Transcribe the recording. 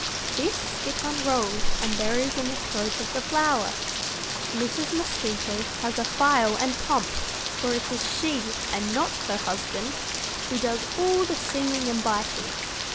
This it unrolls and buries in the throat of the flower. Mrs. Mosquito has a file and pump, for it is she, and not her husband, who does all the singing and biting.